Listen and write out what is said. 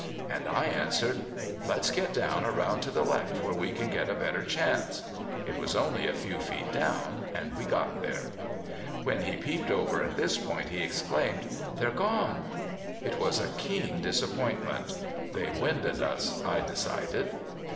And I answered: "Let's get down around to the left where we can get a better chance." It was only a few feet down. We got there. When he peeped over at this point he exclaimed: "They're gone!" It was a keen disappointment. "They winded us," I decided.